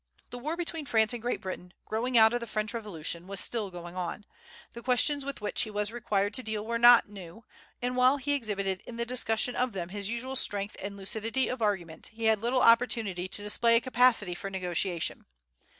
The war between France and Great Britain, growing out of the French Revolution, was still going on. The questions with which he was required to deal were not new; and while he exhibited in the discussion of them his usual strength and lucidity of argument, he had little opportunity to display a capacity for negotiation.